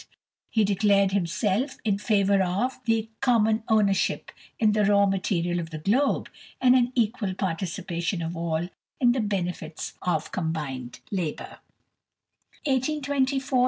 He declared himself in favour of "the common ownership in the raw material of the globe, and an equal participation of all in the benefits of combined labour."